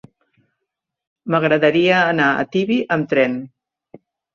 M'agradaria anar a Tibi amb tren.